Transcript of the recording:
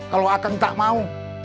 kalau saya tidak mau